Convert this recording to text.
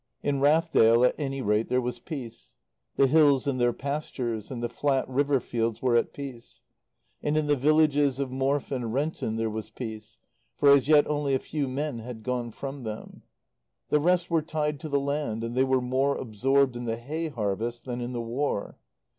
In Rathdale, at any rate, there was peace. The hills and their pastures, and the flat river fields were at peace. And in the villages of Morfe and Renton there was peace; for as yet only a few men had gone from them. The rest were tied to the land, and they were more absorbed in the hay harvest than in the War.